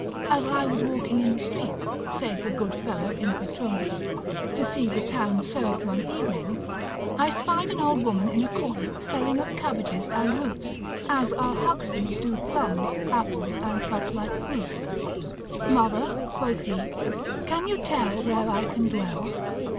As I was walking in the street (saith a good fellow in Petronius) to see the town served one evening, I spied an old woman in a corner selling of cabbages and roots (as our hucksters do plums, apples, and such like fruits); mother (quoth he) can you tell where I can dwell?